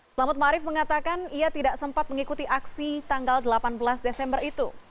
selamat ⁇ maarif mengatakan ia tidak sempat mengikuti aksi tanggal delapan belas desember itu